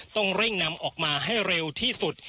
ต้องเร่งนำออกมาให้เร็วที่สุด